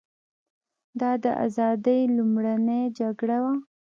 دا د ازادۍ لومړۍ جګړه وه.